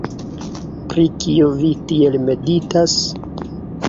Pri kio vi tiel meditas?